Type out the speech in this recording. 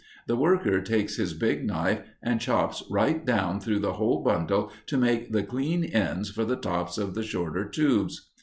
The worker takes his big knife and chops right down through the whole bundle to make the clean ends for the tops of the shorter tubes.